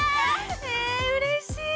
えうれしい！